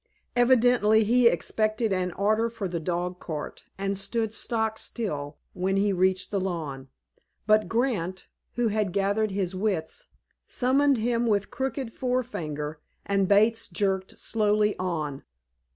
Evidently, he expected an order for the dogcart, and stood stock still when he reached the lawn. But Grant, who had gathered his wits, summoned him with crooked forefinger, and Bates jerked slowly on.